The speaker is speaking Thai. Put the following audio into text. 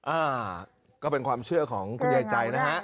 อ่าก็เป็นความเชื่อของคุณยายใจนะฮะ